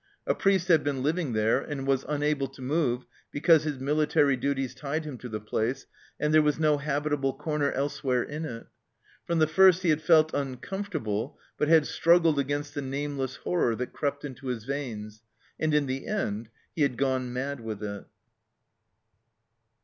A priest had been living there, and was unable to move because his military duties tied him to the place, and there was no habitable corner elsewhere in it. From the first he had felt uncom fortable, but had struggled against the nameless horror that crept into his veins, and in the end he had gone mad with it